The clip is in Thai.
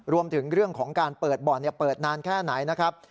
รวมถึงเรื่องของการเปิดบ่อนเปิดนานแค่ไหนนะครับ